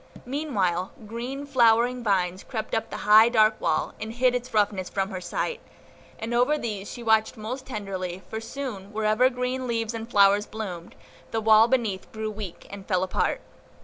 Meanwhile, green, flowering vines crept up the high, dark wall, and hid its roughness from her sight; and over these she watched most tenderly, for soon, wherever green leaves and flowers bloomed, the wall beneath grew weak, and fell apart.